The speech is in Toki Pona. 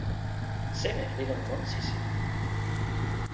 seme li lon monsi sina?